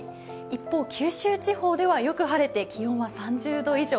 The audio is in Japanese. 一方、九州地方ではよく晴れて気温は３０度以上。